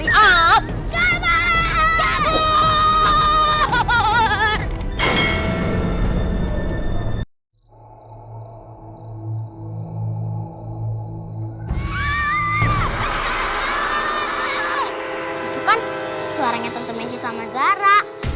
itu kan suaranya teman teman sama zara